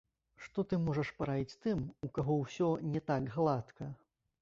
Што ты можаш параіць тым, у каго ўсё не так гладка?